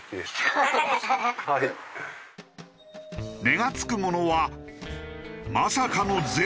値が付くものはまさかのゼロ。